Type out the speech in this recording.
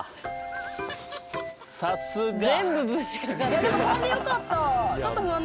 さすが！